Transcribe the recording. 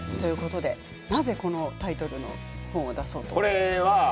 なぜこのタイトルの本を出そうと思ったんですか？